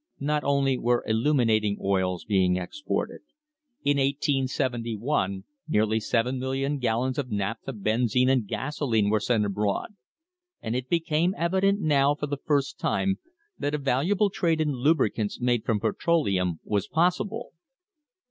Not only were illuminating oils being exported. In 1 871 nearly seven million gallons of naphtha, benzine, and gasoline were sent abroad, and it became evident now for the first time that a valuable trade in lubricants made from petroleum was possible.